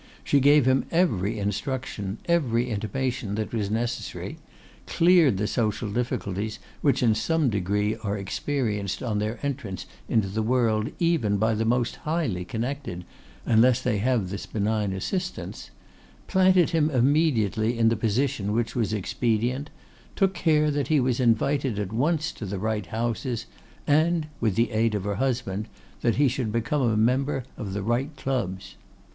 She gave him every instruction, every intimation that was necessary; cleared the social difficulties which in some degree are experienced on their entrance into the world even by the most highly connected, unless they have this benign assistance; planted him immediately in the position which was expedient; took care that he was invited at once to the right houses; and, with the aid of her husband, that he should become a member of the right clubs.